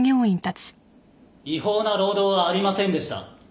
違法な労働はありませんでした。